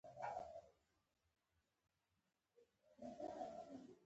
که فرصتونو ته د منصفانه لاسرسي زمینه نه وي.